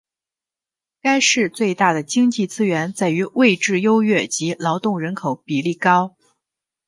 该市最大的经济资源在于位置优越及劳动人口比例高。